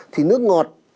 thì nước ngọt